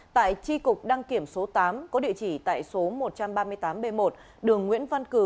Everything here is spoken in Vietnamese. tại tri cục đăng kiểm số tám có địa chỉ tại số một trăm ba mươi tám b một đường nguyễn văn cử